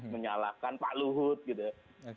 menyalahkan pak luhut gitu